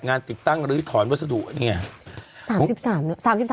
งานติดตั้งหรือถอนวัสดุนี่ไง